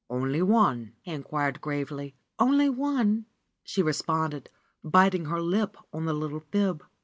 ^'Only one?" he inquired gravely. ^'Only one," she responded, biting her lip on the little fib.